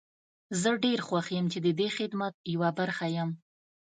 زه ډير خوښ يم چې ددې خدمت يوه برخه يم.